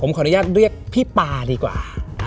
ขออนุญาตเรียกพี่ปาดีกว่า